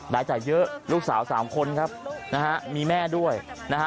รายจ่ายเยอะลูกสาวสามคนครับนะฮะมีแม่ด้วยนะฮะ